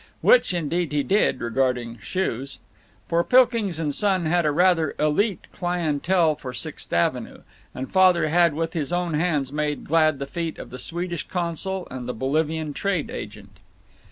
Which, indeed, he did regarding shoes. For Pilkings & Son had a rather élite clientele for Sixth Avenue, and Father had with his own hands made glad the feet of the Swedish consul and the Bolivian trade agent.